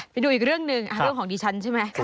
ไปดูอีกเรื่องหนึ่งเรื่องของดิฉันใช่ไหม